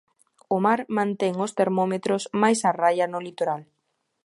O mar mantén os termómetros máis á raia no litoral.